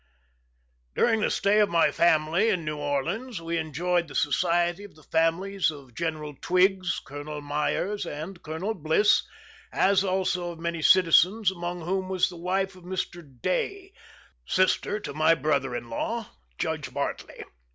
During the stay of my family in New Orleans, we enjoyed the society of the families of General Twiggs, Colonel Myers, and Colonel Bliss, as also of many citizens, among whom was the wife of Mr. Day, sister to my brother in law, Judge Bartley.